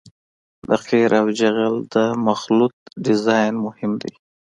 د قیر او جغل د مخلوط ډیزاین مهم دی